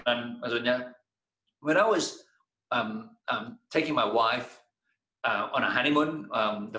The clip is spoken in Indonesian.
saat saya mengambil istri saya pada pernikahan